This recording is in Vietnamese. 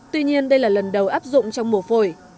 tuy nhiên đây là lần đầu áp dụng trong mùa phổi